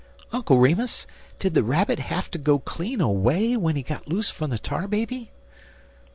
"Uncle Remus, did the Rabbit have to go clean away when he got loose from the Tar Baby?"